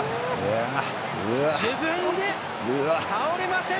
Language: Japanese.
自分で、倒れません。